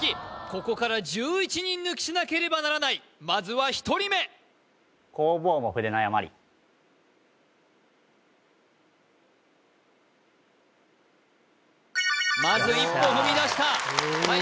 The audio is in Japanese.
ここから１１人抜きしなければならないまずは１人目まず一歩踏みだしたよっしゃ